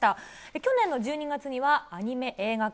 去年の１２月にはアニメ映画化。